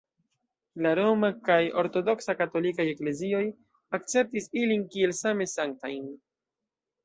La Roma kaj Ortodoksa katolikaj eklezioj akceptis ilin kiel same sanktajn.